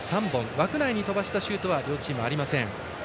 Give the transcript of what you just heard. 枠内に飛ばしたチームは両チームありません。